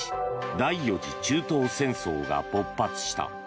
第４次中東戦争が勃発した。